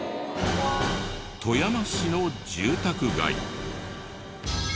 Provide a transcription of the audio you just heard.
富山市の住宅街。